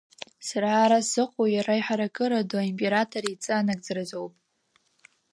Сара ара сзыҟоу Иара Иаҳаракыра Ду аимператор идҵа анагӡаразоуп.